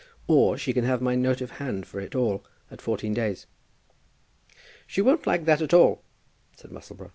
Or she can have my note of hand for it all at fourteen days." "She won't like that at all," said Musselboro.